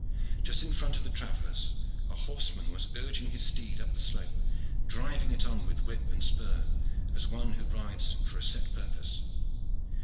Just in front of the travellers a horseman was urging his steed up the slope, driving it on with whip and spur as one who rides for a set purpose.